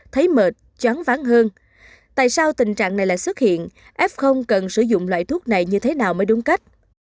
thấy mệt chóng ván hơn tại sao tình trạng này lại xuất hiện f cần sử dụng loại thuốc này như thế nào mới đúng cách